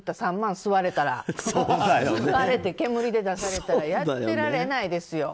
吸われて、煙で出されたらやってられないですよ。